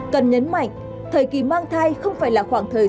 cần nhấn mạnh thời kỳ mang thai không phải là khoảng thời gian